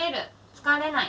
疲れない？